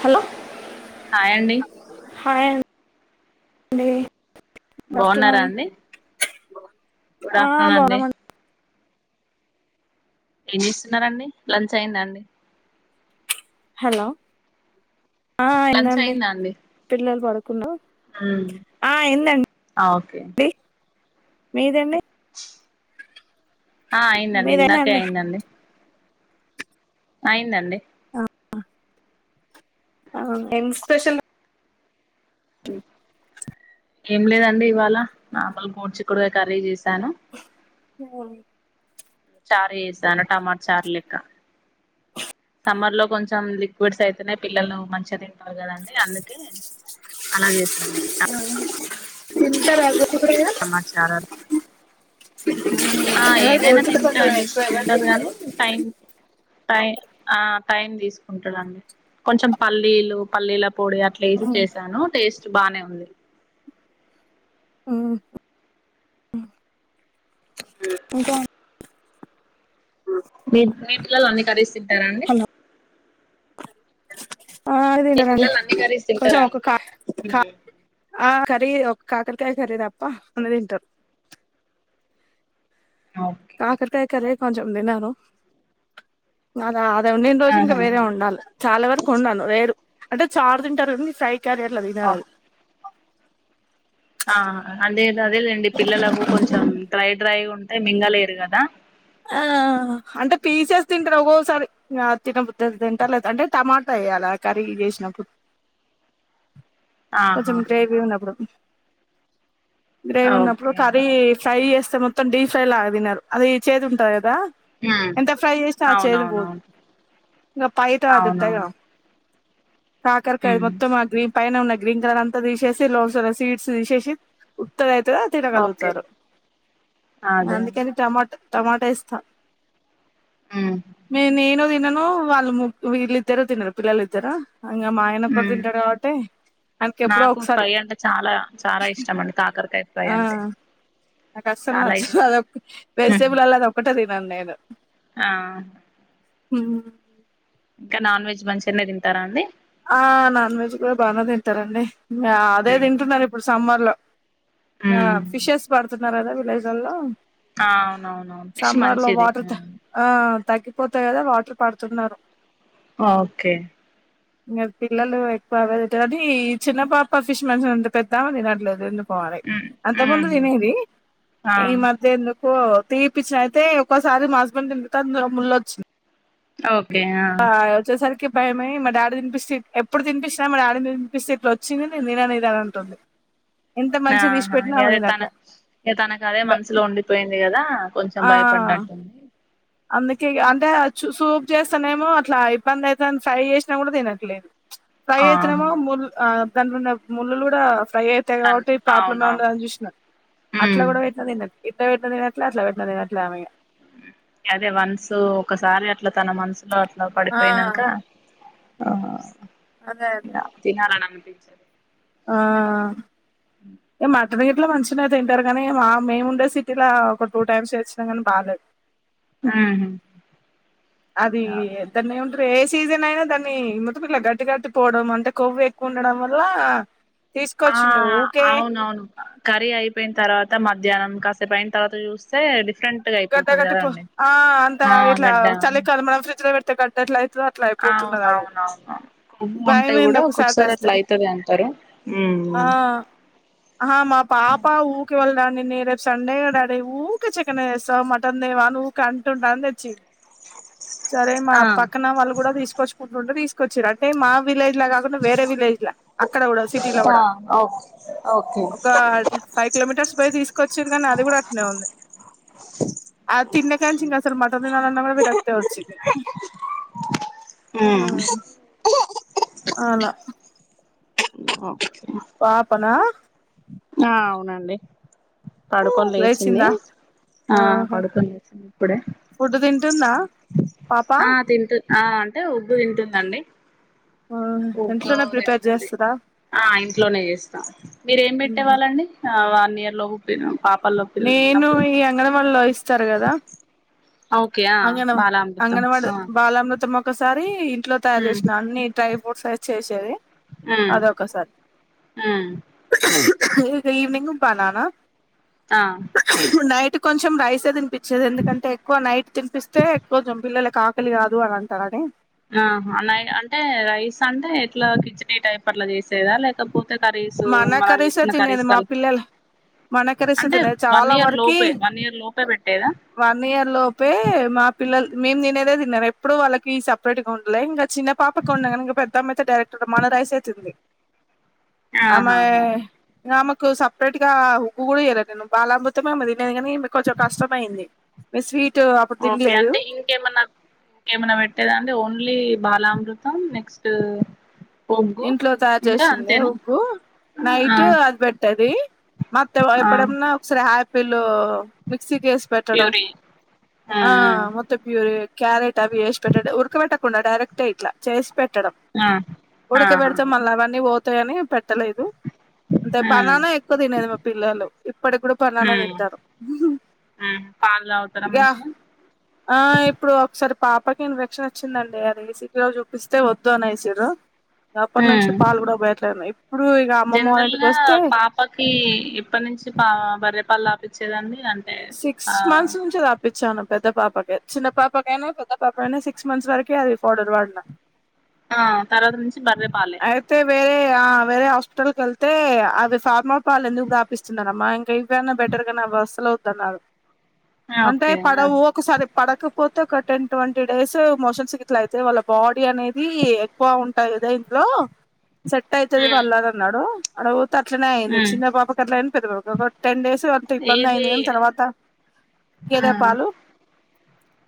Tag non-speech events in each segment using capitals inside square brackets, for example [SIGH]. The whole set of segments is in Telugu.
హలో హాయ్ అండి. నే బాగున్నారా అండి. గుడ్ ఆ ఆఫ్టర్నూన్ అండి. బాగున్నామండి ఏం చేస్తున్నారండి లంచ్ అయిందా అండి. హలో ఆహ్ లంచ్ అయిందండి అయిందా అండి పిల్లలు పడుకున్నారు. మ్మ్. ఆహ్ ఆ ఓకే అయిందండి. మీదండి ఆహ్ అయిందండి. ఇందాకే మీదైందండి అయిందండి. అయిందండి. అవును ఏమ్ స్పెషల్. ఉమ్ ఏం లేదండి. ఇవాళ నాపల గోర్చిక్కుడుకాయ్ కర్రీ చేశాను. ఒన్ చారు చేసాను. టమాట చార్లెక్క. సమ్మర్ లో కొంచెం లిక్విడ్స్ అయితేనే పిల్లలు మంచిగా తింటారు కదండి. అందుకే అలా చేశాను. అవునా తింటారు అవి కూడా. సమాచారలు ఆహ్ ఏదైనా కొంచెం తింటాన్ ఎక్కువగా తింటారు తిన కానీ టైం. టై ఆహ్ టైం తీసుకుంటాడండి కొంచెం పల్లీలు పల్లీల పొడి అట్లా వేసి ఉమ్, చేసాను టేస్ట్ బానే ఉంది. ఉమ్ ఇంకా మీ మీ పిల్లలు అన్ని కర్రీస్ తింటారా అండి. హలో ఆహ్ అన్ని మీ తింటారు అండి పిల్లలు అన్ని కర్రీస్ కొంచెం తింటారా ఒక అండి క క మ్మ్ ఆహ్ కర్రీ ఒక కాకరకాయ కర్రీ తప్ప అన్ని తింటారు. ఓకే కాకరకాయ కర్రే కొంచం తినరు అది అత్ అది వండిన రోజు ఇంకా ఆహా వేరే వండాలి. చాలా వరకు వండాను వేరు అంటే చారు తింటారు ఫ్రై కర్రీలు ఆ తినారు అవి. ఆ అదే అదేలేండి పిల్లలకు కొంచెం డ్రై డ్రై ఉంటే మింగలేరు కదా. ఆహ్ అంటే పీసేస్ తింటారు ఒక్కొక్కసారి ఆహ్ తినబుద్ధి అయినప్పుడు తింటారు లేదా అంటే టమాటా వేయాలా కర్రీ చేసినప్పుడు. ఆహా కొంచెం గ్రేవీ ఉన్నప్పుడు. గ్రేవీ ఉన్నప్పుడు ఓకే కర్రీ అండి ఫ్రై చేస్ మొత్తం డి ఫ్రై లాగా తినరు అది చెడుంటాది మ్మ్ ఎంత ఫ్రై చేసిినా ఆ చేేదు పోదు అవునవునవును ఇంకా పైటా అది ఉంటది అవునవును కాదా కాకరకాయ మ్మ్ మొత్తం ఆ గ్రేమ్ పైన ఉన్న గ్రీన్ కలర్ అంతా తీసేసి లోపాల అంత సీడ్స్ తీసేసి [INAUDIBLE] ఓకే తినగలుగుతారు అదే అందుకని టమాట టమాటా వేస్తా మ్మ్ మీ నేను తినను వాళ్ళు ము వీళ్ళు ఇద్దరు తినరు పిల్లలు ఇద్దరు ఇంకా మా ఆయన కూడా మ్మ్ తింటాడు కాబట్టి ఆయనకి ఎప్పుడో నాకు ఒకసారి ఫ్రై అంటే చాలా చాలా ఇష్టం అండి కాకరకాయ ఫ్రై ఆ అంటే నాకు అసలు చాలా ఇష్టం నచ్చదు [INAUDIBLE] ఒకటే తినను నేను ఆ హ్మ్ ఇంకా నాన్ వెజ్ మంచిగానే తింటారాండి ఆ నాన్ వెజ్ కూడా బానే తింటారండి ఆ అదే తింటున్నాను ఇప్పుడు సమ్మర్ లో ఆ మ్మ్ ఫిషెస్ పాడుతు న రాదా విలేజలో ఆ అవునువునువును ఫిష్ మంచిది వాటర్ ఆ ఆ తగ్గిపోతాయి కదా వాటర్ పడుతున్నారు. ఓకే. ఇ పిల్లలు ఎక్కువ అవేతింటారు అది ఈ చిన్న పాప ఫిష్ మంచిగానే తింటాది పెద్దామే తినట్లేదుఎందు అంతక ముందు మ్మ్ తినేది ఆ ఈ మధ్య ఎందు ఓ తీయిపిచ్చిన అయితే ఒక్కోసారి మా హస్బెండ్ తినింపితే ముళ్ళొచ్చింది. ఆ వచ్చే సార్కి భయమే మా డాడీ తినిపిస్తే ఎప్పుడు తినిపిస్తే మా డాడీని తినిపిస్తే ఇట్లా వచ్చింది నేను తినాను అని అంటుంది ఎంత మంచిగా తీసి ఆహా పెట్టినా ఇ ఆమె అదే తన తినట్లే ఇగ తనకు అదే మనసులో ఉండిపోయింది కదా కొంచెం ఆ భయపడినట్టుంది అందుకే అంటే సూప్ చేస్తానేమో అట్లా ఇబ్బంది అయితే ఫ్రై చేసినా కూడా తినట్లేదు. ఆహా ప్రయత్నమా ముల్ ఆ దాంట్లోన్న ముళ్ళులు కూడా ప్రై అయితే కన్ కాబట్టి ఈ ప్రాబ్లమ్ ఏ అవునవును ఉండదని చూసిన అట్లా మ్మ్ కూడా పెట్టిన తినదు ఇట్లా పెట్టిన తినదట్ల అట్ల పెట్టిన తినదట్ల ఆమె ఇంక అదే వన్స్ ఒకసారి అట్లా తన మనసు అట్లా ఆ పడిపోయినంకా ఆహ అదే అండి ఆహ్ తినాలని అనిపించదు ఆ ఏమా మీ ఇంట్లో మంచినే తింటారు కానీ మా మేము ఉండే సిటీలో ఒక టూ టైమ్స్ తెచ్చినం గనీ బాలేదు ఉహు అది ఓకే దాన్నేమంటారు ఎస్ సీజన్ అయినా దాన్ని మొత్తం ఇలా గట్టి గట్టి పోవడం అంటే కొవ్వు ఎక్కువ ఉండడం వల్ల ఆ తీసుకొచ్చినవ్ ఊకే అవునవును కర్రీ అయిపోయిన తర్వాత మధ్యాహ్నం కాసేపు అయిన తర్వాత చూస్తే డిఫరెంట్ గా గడ్డ అయిపోతది గట్టి పొ కదండి ఆ అంతా ఆ ఇట్లా గడ్డ చలి కాలం మన ఫ్రిడ్జ్ ల పెడితే కట్టినట్లు అట్లా అయిపోతున్నది అది అవునవునవును కొవ్వు ఉంటే భయమైంది కూడా ఒక ఒక్కొక్కసారి సారితేస్తే అట్లా అయితది అంటారు ఆ ఉమ్ ఆ మా పాప ఊకే వాళ్ల డాడీని డీ రెప్ సండే కద డాడీ ఊకే చికెన్ ఏ తీస్ స్తావ్ మటన్ తేవా అని ఊకే అంటుంటే తెచ్చిండు సరే మా ఆ పక్కన వాళ్ళు కూడ తీసుకొచ్చుకుంటుంటె తీసు కొచ్చిరూ అంటే మా విలేజ్ లా కాకుండా వేరే విలేజ్ ల అక్కడ కూడా సిటీ లో ఆ కూడా ఓకే ఓకే ఒక ఫైవ్ కిలోమీటర్స్ పోయి తీసుకొచ్చిరు కానీ అది కూడా అట్నే ఉంది ఆ తిన్నకాంచి ఇంగ అసల్ మటన్ తినాలన్న కూడా విరక్తే వచ్చింది ఆ అలా [INAUDIBLE] పాపనా ఆ అవునండి పడుకొని లేచింది లేచిందా ఆ ఆహా పడుకొని లేచింది ఇప్పుడే ఫుడ్ తింటుందా పాప ఆ తింటున్ ఆ అంటే ఉగ్గు తింటుందండి ఆ ఇంట్లోనే ప్రిపేర్ ఉగ్గోదింటది చేస్తదా ఆ ఇంట్లోనే చేస్తాం మీరేం పెట్టేవాళ్ళండి ఆవ నియర్లో ఉప్పిన నేను ఈ అంగన్వాల్లో ఇస్తారు కదా ఓకే ఆ అంగన్వ బాలామృతం అంగన్వాడి ఆ బాలామృతం ఒకసారి ఇంట్లో తయారు ఉమ్ చేసిన అన్ని టైప్ ఓట్స్ ఏసీ చేసేది ఉమ్ అదొకసారి ఉమ్ ఇక ఇవి నింగు బనానా ఆ నైట్ ఈ కొంచం రైసె తినిపించ్ వచ్చేది ఎందుకంటే ఎక్కువ నైట్ తినిపిస్తే ఎక్కువ జంపిల్లలు కా పెళ్లి కాదు అని అంటనని ఆ నై అంటే రైస్ అంటే ఎట్లా కిచిడి టైప్ అట్లా చేసేదా లేకపోతే కర్రీస్ మన మనం కర్రీసె చేసుకున్న తినేది కర్రీస్ మా కల్ పిల్లల్ మన కర్రీసె అంటే తినేది వన్ చాలా ఇయర్ వరకి లోపే వన్ ఇయర్ లోపే పెట్టేదా వన్ ఇయర్ లోపే మా పిల్లల్ మేమ్ తినేదే తిన్నారు ఎప్పుడు వాళ్ళకి సప్ రేట్గా ఉండలే ఇంక చిన్న పాపకు ఉన్నా కానీ ఇంకా పెద్దమ్మ అయితే డైరెక్ట్ మన రైసె తింది ఆమే ఆహాహా ఇంకా ఆమాకు సపరేట్ గా ఉ్గు కూడా చేయర నేను బాలఅమృతం మే తినను కానీ మీకు కొంచెం కష్టమ అయింది మీరు స్వీట్ [INAUDIBLE] ఓకే తినలేదు అంటే ఇంకెమన్న ఇంకెమన్న పెట్టేదా అంటే ఓన్లీ బాలామృతం నెక్స్ట్ ఒగ్గు ఇంట్లో తయారు ఇంకా చేసిందె అంతేనా ఉగ్గు ఆ నైటు అది పెట్టె ది మత్త ఆ ఎప్పుడన్నా ఒకసారి హ్యాపీ పిల్లో మిక్సీ కేసి పెట్టడం ప్యూరీ ఆ మ్మ్ మొత్తం ప్యూరి క్యారెట్ అ వయేపెట్టట్టు ఉరక పెట్టకుండా డైరెక్ట్లా అట్లా చేసి పెట్టడం ఆ ఆహా ఉడకపెడితే మల్ల అవన్నీ పోతేనే పెట్స్ పట్టలేదు అంటే మ్మ్ బనానా ఎక్కువ తినేది మా పిల్లలు ఇప్పటికి కూడా బనాన మ్మ్ తింటారు మ్మ్ పాలు తాగుతారా ఇక మంచిగా ఆ ఇప్పుడు ఒకసారి పాపకి ఇన్ఫెక్షన్ వచ్చిందండి అ రేసికిలో చూపిస్తే వద్దు అ నై సిండ్రు ఊ ఇక అమ్మమ్మ వాళ్ళ జనరల్ ఇంటికి గా వస్తే పాపకి ఇప్పటి నుంచి అ బర్రె పాలు తాగిపిస్తే చెల్లల్ని సిక్స్ మంత్స్ నుంచి రాపిచ్చాను పెద్ద పాపక చిన్న పాపకైనా పెద్ద పాప అైనా సిక్స్ మంత్స్ వరక అది ఫౌడర్ వాడిన ఆ తర్వాత నుంచి బర్రె పాలే అయితే వేరే ఆ వేరే హాస్పిటల్ కీళ్తే అవి ఫార్మా పాలు ఎందుకు తాగిపిస్తున్నారమ్మా ఇంకా ఏవైనా బెటర్ అవొద్దు అన్నారు ఆ అంటే ఓకే ఆహా పడవు ఒకసారి పడకపోతే ఇంకా ఒక టేన్ ట్యింటి డేస్ మోషన్ ఇట్ల అయితే వాళ్ల బాడీ అనేది ఎట్లా ఉంటది కద లో సెట్ అయితది మ్మ్ వాళ్లాగాన్నాడు ఆడ ఉ అట్లనే అయింది మ్మ్ చిన్న పాపకి అట్లా అయింది పెద్దపాప కి అట్లా అయింది ఒక టెన్ డేస్ అంత ఇబ్బంది ఏది అయింది కాని తర్వాత ఆ గేదే పాలు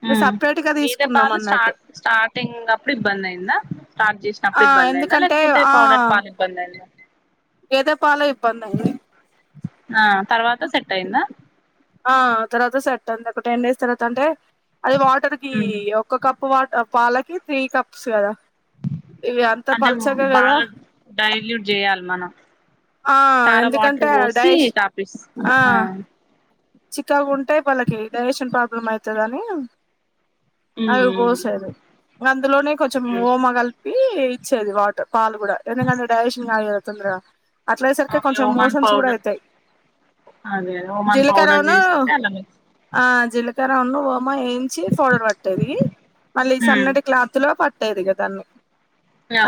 అంటే మ్మ్ సపరేట్గా గేదె తీసుకున్నాం పాలు అన్నట్టు స్టార్ట్ స్టార్టింగ్ అప్పుడు ఇబ్బంది అయిందా స్టార్ట్ ఆ చేసినప్పుడు ఇబ్బంది అయింద ఎందుకంటే లేకపోతే ఆ పౌడర్ పాలు ఇబ్బంది అయింది [UNINTELLIGIBLE] గేదె పాలు ఇబ్బందైంది ఆ తర్వాత సెట్ అయిందా ఆ తర్వాత సెట్ అయ్యింది ఒక టెన్ డేస్ తర్వాత అంటే అది వాటర్ కి ఒక కప్ వాట పాలకి త్రీ కప్స్ కదా ఇవి అంత అంటే ము పల్చగా కదా బాగా డైల్యూట్ చేయాలి మనం ఆ చాలా వాటర్ ఎందుకంటే పోసి తాపిస్ ఆ చిక్కగుంటే వాళ్ళకి డైజేషన్ ప్రాబ్లమ్ అయితదని అవి పోస్తరు అందులోనే కొంచెం ఓమ కలిప్ ఈ ఇచ్చేది వాటర్ పాలు గూడ ఎందుకంటే డైడిషన్ కాదు కదా తుందిరా ఓకే ఉమెన్ పౌడర్ అదే ఒమన్ ఇంకరోను ఆజే జిలకరున్ను ఒ ప్మా ఏంచి ఫౌడర్ పడతది మళ్ళీ సన్నటి క్లాత్ లో ప ట్టేదిగా తన్ను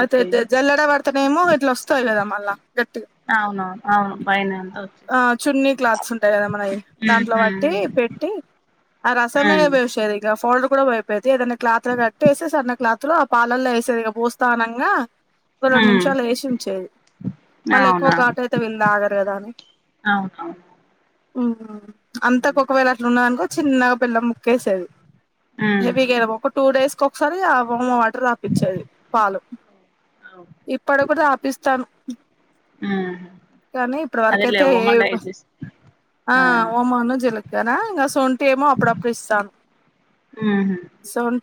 అయితే ఓకే జ జల్లడ పడతనేమో ఇట్లా వస్తాయి కదా మళ్ళా గట్టిగా అవునవును అవును పైన అంతా ఆ వచ్చేస్తా చున్నీ క్లాత్స్ ఉం దేమన్న దాంట్లో బట్టి పెట్టి ఆ రసమే వేసేది గ ఫోల్డ్ర్ కూడా పోయపోయేది ఏదైనా క్లాత్ ల కట్టేసి సన్న క్లాతులో ఆ పాలల్లో వేసేది ఇగ పూస్థానంగా ఒక రెండు నిమిషాలు వేసి ఉంచేది మళ్ళా ఎక్కువ అవునా ఘాటు అయితే వీళ్ళు ఆగరు కదా అని అవునవును అవునా అంతకోకవేళ అట్లున్నాదనుకో చిన్నగా బెల్లం ముక్కేసేది హెవిగ ఒక టూ డేస్ కో సరే ఆ బొమ్మ వ రాపిచ్చాడు పాలు ఇప్పటి కూడా తాపిస్తరు కానీ అదేలే ఇప్పుడివరకైతే ఏ ఓమా డైజెస్ట్ ఆ ఓమాను జిలకార ఇంగ స్ సొంటేమో అప్పుడప్పుడు ఇస్తాను ఆ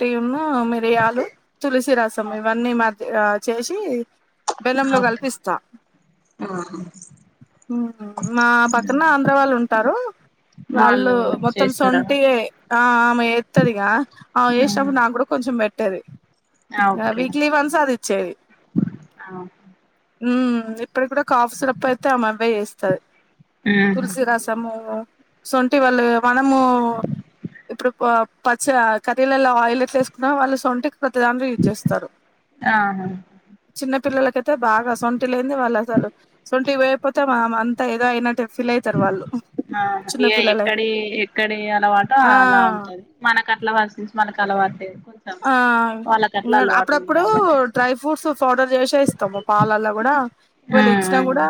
టీము మీ రియాలు తులసి రసం ఇవన్నీ మా ఆ చేసి బెల్లంలో ఓకే కలిపిస్తా మా ప క్కన అంధ్ర వాళ్ళు ఉంటారు వాళ్ళు మొత్తం సొంటి ఆ ఆమె ఏత్తదిగా ఆమె జేసినప్పుడు నాకు కూడా కొంచెం బెట్ ట్టది ఆ వీక్లీ వన్స్ అదిచ్చేయ్ ఆ ఊ ఇప్పుడు కూడా కాఫ్ సిరప్ప అయితే ఆమె అవ్వే ఏస్తా ఉహు తులసి రసమూ సొంటి వళ్ళు మనము ఇప్పుడు ప పచ్చ కర్రీలల్లా ఆయిల్ ఎట్లేస్కుంటామో వాళ్ళు సోంటి ప్రతిదాంట్లో యూస్ చేస్తారు ఆహా చిన్న పిల్లలకైతే బాగా టు లేంది వాళ్ళసలు సొంటి వేయికపోతే ఆమో అన్ త ఏదో ఐనట్టు ఆ ఏ పిల్లలకి ఎక్కడి ఎక్కడి అలవాటు ఆ అలా ఉంటది మనకు అట్లా [UNINTELLIGIBLE] మనకు టలవాట్లే ఆ అప్పుడప్పుడు కాబట్టి డ్రై ఫ్రూట్స్ ఆర్డర్ చేసే ఇస్తాము, పాలల్లో కూడా వీళ్ళు ఇచ్చినా ఉమ్ కూడా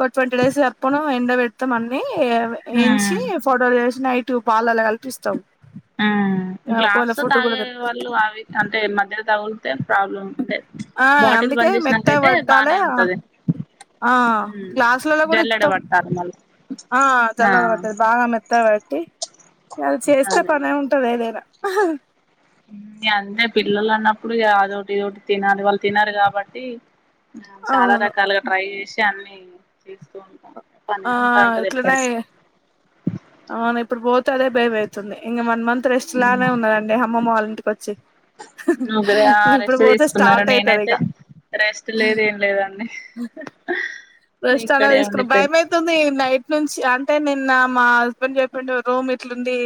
ఒక ట్వంటీ డేస్ ఎప్పపోనుం ఎండపెడ్తం అన్ని ఎ ఎంచి ఉమ్ ఫోటోలు చేసినైట్ తు పాలలా కల్పిస్తాం అ గ్లాస్లో తాగేవాళ్ళు అవి అంటే మధ్య తగులితే ప్రాబ్ అంటే ఆ బాటిల్ అందుకే బంద్ మెత్తగా చేసినాకయితే పట్టాలే బాగానే ఉంటది ఆ మ్ గ్లాసులలో కూడా ఇత్తం జల్లెడబడతారు మళ్ ఆ చలర మతది బాగామె త పెట్టి అలా చేస్తే అదే పనే ఉంటది ఏదైనా అంతే పిల్లలు అన్నప్పుడు అదోటిదోటి తినాలి వాళ్ళు తినారు కాబట్టి చాలా అవును రకాలుగా ట్రై చేసి అన్ని చేస్తూ ఉంటాను ఆ ఎట్లు న అవునా ఇప్పుడు పోతే అదే భయంమవుతుంది ఇంక వన్ మంత్ రెస్ట్ లానే ఉన్నదండి. అమ్మమ్మ వాళ్ళింటికొచ్చి, ముగ్గురే ఆ ఇప్పుడు రెస్ట్ పోతే తీసుకున్నారు స్టార్ట్ అయితది నేనైతే ఇక రెస్ట్ లేదు ఏం లేదండి రెస్ట్ అన్నా ఇక్కడే తీసుకున్నా ఉండిపోయిన భయం అయితుంది. నైట్ నుంచి అంటే నిన్న మా హస్బెండ్ చెప్పిండు. రూమ్ ఇట్లుంది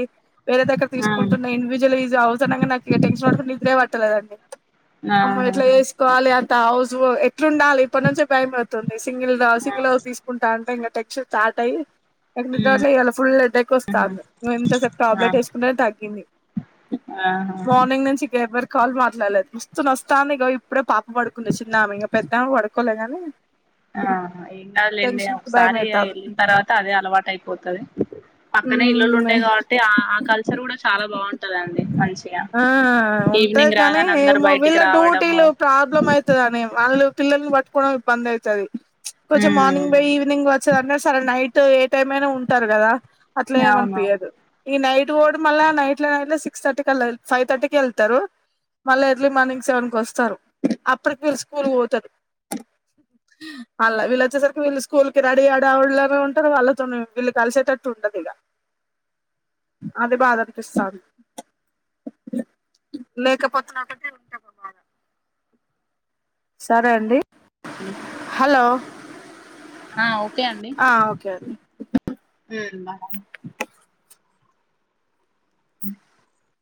వేరే దగ్గర ఆ తీసుకుంటున్న ఇండ్విజిలిజ్ హౌస్ అనంగన నాకు ఇక టెన్షన్ పకుని నిద్రే పట్టలేదండి, అమ్మ ఎట్లా ఆహాహా ఎసుకోవాలె అన్ తైజ్వొ ఎ ట్లు ఉండాలి. ఇప్పటి నుంచి భయం అయితుంది. సింగిల్ దా సింగొలా తీసుకుంటాంటె ఇంగ టెక్షన్ స్టార్ట్ అయ్యి ఎక్ మితోట్ల ఉహు ఇయల ఫుల్ హెడ్డెక్ వస్తాంది. నువ ఎంతసేప్ ఆ టాబ్లెట్ ఏసుకునే తగ్గింది. ఆహా మార్నింగ్ నుంచి ఎవ్వరు. కాల్ మాట్లాడలేద్, మస్తు నస్తాంది. ఇగో ఇప్పుడే పా వడుకుంది చిన్నామె ఇగ పెద్దామె పడ్ కొలగానే ఆ ఏం కాదులేండి. ఒకసారి అయితాంది ఎళ్ళిన తర్వాత అదే అలవాటైపోతది. పక్కనే ఇల్లులు ఉంటాయ్, కాబట్టి ఆ ఆ కల్చర్ కూడా చాలా బావుంటదండి. మంచిగా ఆ ఉంటాయి ఈవినింగ్ కానీ రాగానే అందరు ఏమో వీళ్ళ బయటికి రావడము. డ్యూటీలు ప్రాబ్లం అయితదని వాళ్ళు పిల్లల్ని పట్టుకోవడం ఇబ్బంది అయితది. చ్ కొంచెం మార్నింగ్ ఉమ్ బోయి ఈవినింగ్ వచ్చేదన్న సరే నైట్. ట్ ఏ టైమ్ అయినా ఉంటారు కదా. అట్లా అవును ఏమనిపయదు. ఈ నైట్ పోవుడు మళ్ళ నైట్ ల స్ సిక్స్ థర్టీ కల్లా ఫైవ్ థర్టీకి ఎళ్తరు, మళ్ళా ఎర్లీ మార్నింగ్ సెవెన్ కి వస్తారు. అప్పటికి వీళ్ళు స్కూల్ పోతరు అళ్ వీళ్ళు వచ్చేసరికి వీళ్ళు స్కూల్ కి రడీ హడావుడిలోనే ఉంటరు. వాళ్ళతోనీ వీళ్ళు కలిసేటట్టు ఉండదు, ఇక అది బాధ అనిపిస్సాంది. లేకపోతున్నంటే ఉంటాద బాధ సరే అండి. హలో ఆ ఓకే అండి. ఆ ఓకే అండి ఊ బాయ్ హు